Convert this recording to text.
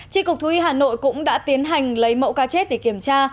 tri cục thúy hà nội cũng đã tiến hành lấy mẫu cá chết để kiểm tra